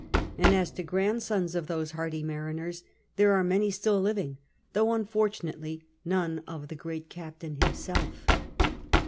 And as to grandsons of those hardy mariners, there are many still living, though, unfortunately, none of the great captain himself.